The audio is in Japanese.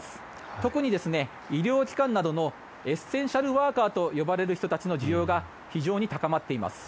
特に医療機関などのエッセンシャルワーカーと呼ばれる人たちの需要が非常に高まっています。